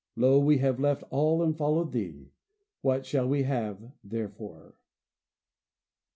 'Lo we have left all and followed Thee; what shall we have therefore?